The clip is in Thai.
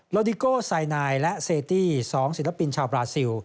ดิโกไซนายและเซตี้๒ศิลปินชาวบราซิล